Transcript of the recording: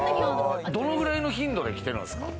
どのくらいの頻度で来てるんですか？